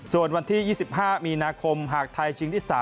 ส่วนวันที่๒๕มีนาคมหากไทยชิงที่๓